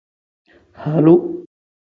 Halu.